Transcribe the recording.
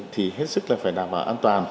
thì hết sức là phải đảm bảo an toàn